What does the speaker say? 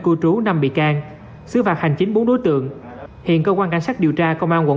cư trú năm bị can xứ phạt hành chính bốn đối tượng hiện cơ quan cảnh sát điều tra công an quận